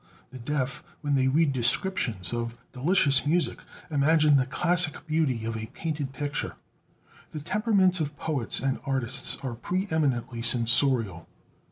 The deaf, when they read descriptions of delicious music, imagine the classic beauty of a painted picture. The temperaments of poets and artists are pre eminently sensorial.